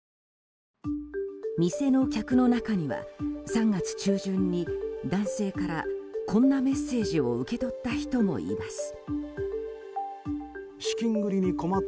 店の客の中には、３月中旬に男性から、こんなメッセージを受け取った人もいます。